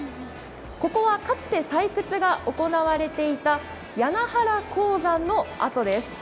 ここはかつて採掘が行われていた柵原鉱山の跡です。